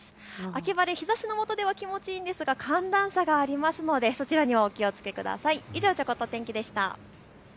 秋晴れ、日ざしのもとでは気持ちいいですが、寒暖差がありますのでそちらにもお気をつけください。